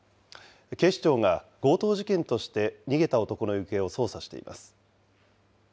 警視庁が強盗事件として逃げた男の行方を捜査しています。